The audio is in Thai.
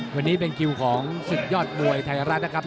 วันนี้เป็นคิวของศึกยอดมวยไทยรัฐนะครับ